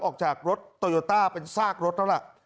ออกจากรถโตโยต้าเป็นซากรถแล้วล่ะ